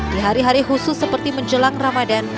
di hari hari khusus seperti menjelang ramadan